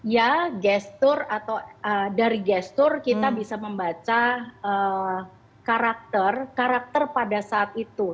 ya dari gestur kita bisa membaca karakter pada saat itu